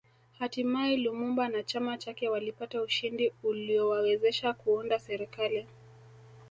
Hatimae Lumumba na chama chake walipata ushindi uliowawezesha Kuunda serikali